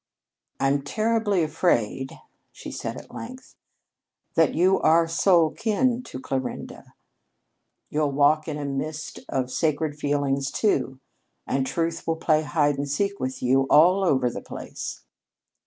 "I'm terribly afraid," she said at length, "that you are soul kin to Clarinda. You'll walk in a mist of sacred feelings, too, and truth will play hide and seek with you all over the place."